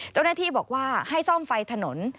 เจ้าหน้าที่บอกว่าให้ซ่อมไฟถนน